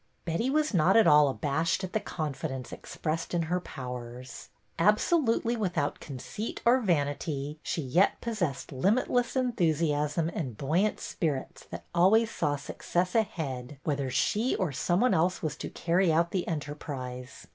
Betty was not at all abashed at the confidence expressed in her powers. Absolutely without conceit or vanity, she yet possessed limitless en thusiasm and buoyant spirits that always saw success ahead whether she or someone else was to carry out the enterprise.